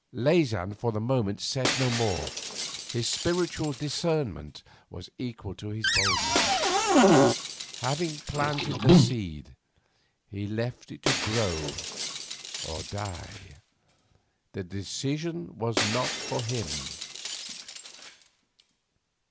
Leysin for the moment said no more. His spiritual discernment was equal to his boldness. Having planted the seed, he left it to grow or die. The decision was not for him.